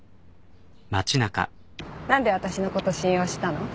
何で私のこと信用したの？